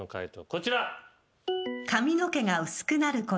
こちら。